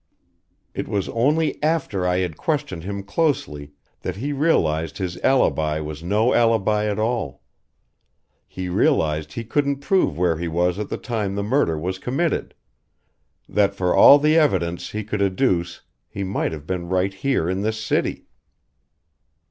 It was only after I had questioned him closely that he realized his alibi was no alibi at all. He realized he couldn't prove where he was at the time the murder was committed that for all the evidence he could adduce he might have been right here in this city."